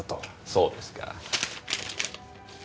そうですか。